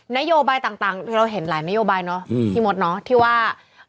นโยบายต่างเราเห็นหลายนโยบายเนาะพี่มดเนาะที่ว่า